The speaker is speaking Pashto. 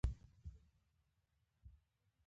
سپورت د ټولنې د روغتیا په ښه کولو کې مهم رول لري.